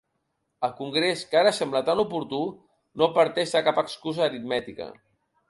El Congrés, que ara sembla tan oportú, no parteix de cap excusa aritmètica.